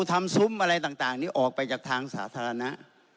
ทำซุ้มอะไรต่างนี้ออกไปจากทางสาธารณะ